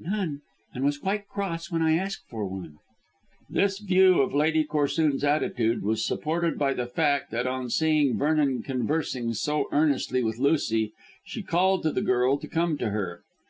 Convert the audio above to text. "None, and was quite cross when I asked for one." This view of Lady Corsoon's attitude was supported by the fact that on seeing Vernon conversing so earnestly with Lucy she called to the girl to come to her.